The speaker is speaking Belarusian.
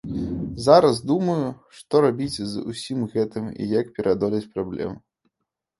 Зараз думаю, што рабіць з усім гэтым і як пераадолець праблему.